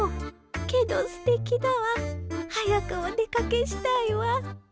けどすてきだわ。早くお出かけしたいわ。